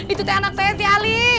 itu teh anak teh ali